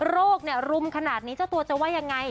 โรคนี้รุ่มขนาดนี้เจ้าตัวจะไหว้ยังไง